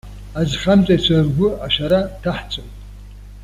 Азхамҵаҩцәа ргәы ашәара ҭаҳҵоит.